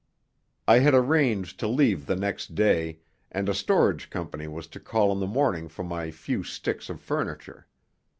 I had arranged to leave the next day, and a storage company was to call in the morning for my few sticks of furniture.